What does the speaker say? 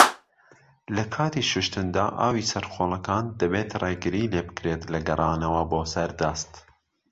لەکاتی شوشتندا، ئاوی سەر قوڵەکان دەبێت ڕێگری لێبکرێت لە گەرانەوە بۆ سەر دەست.